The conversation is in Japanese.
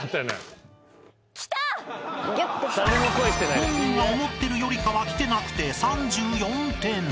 ［本人が思ってるよりかはきてなくて３４点］